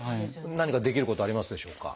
何かできることはありますでしょうか？